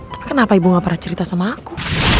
tapi kenapa ibu gak pernah cerita sama aku